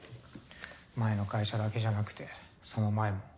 前の会社だけじゃなくてその前も。